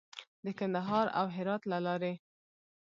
د کندهار او هرات له لارې.